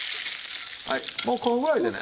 はいもうこのぐらいでね。